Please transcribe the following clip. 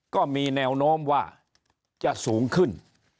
ก็มีแนวโน้มว่าจะสูงขึ้น